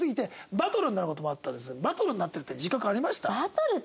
バトルになってるって自覚ありました？